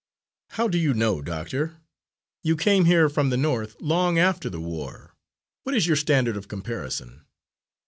"How do you know, doctor? You came here from the North long after the war. What is your standard of comparison?"